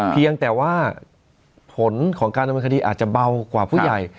เพียงแต่ว่าผลของการดำเนินคดีอาจจะเบากว่าผู้ใหญ่